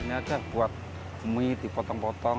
ini aja buat mie dipotong potong